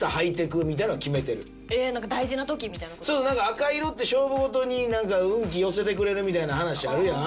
赤色って勝負事に運気寄せてくれるみたいな話あるやん？